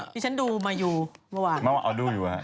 ดิฉันดูมาอยู่เมื่อวานเอาดูอยู่ว่ะ